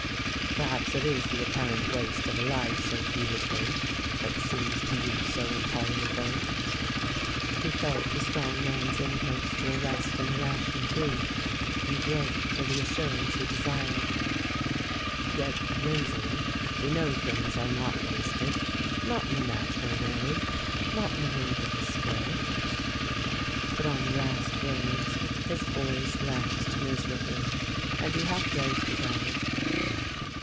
"Perhaps it is the apparent waste of a life so beautiful that seems to you so intolerable " He felt the strong man's impulse to arrest an irrational grief, and groped for the assurance he desired. "Yet, Lindsay, we know things are not wasted; not in the natural world, not in the world of the spirit." But on the last words his voice lapsed miserably, and he half rose to go.